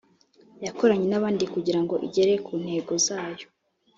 yakoranye nabandi kugira ngo igere ku ntego zayo